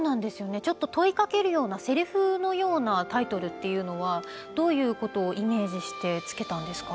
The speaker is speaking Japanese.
ちょっと問いかけるようなせりふのようなタイトルっていうのはどういうことをイメージしてつけたんですか？